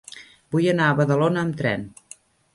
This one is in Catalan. Vull anar a Badalona amb tren.